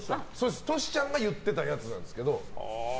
トシちゃんが言ってたやつなんですけど。